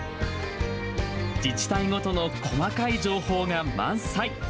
自治体ごとの細かい情報が満載。